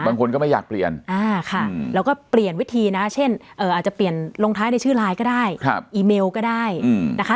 บางคนก็ไม่อยากเปลี่ยนแล้วก็เปลี่ยนวิธีนะเช่นอาจจะเปลี่ยนลงท้ายในชื่อไลน์ก็ได้อีเมลก็ได้นะคะ